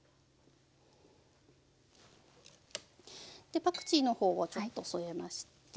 でパクチーの方をちょっと添えまして。